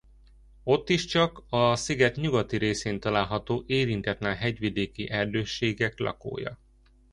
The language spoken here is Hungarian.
Ott is csak a sziget nyugati részén található érintetlen hegyvidéki erdőségek lakója.